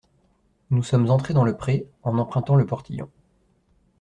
Nous sommes entrés dans le pré en empruntant le portillon.